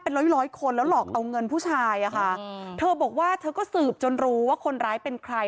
ร้อยร้อยคนแล้วหลอกเอาเงินผู้ชายอ่ะค่ะเธอบอกว่าเธอก็สืบจนรู้ว่าคนร้ายเป็นใคร